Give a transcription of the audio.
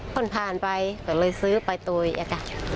เปิดผ่านไปก็เลยซื้อไปตัว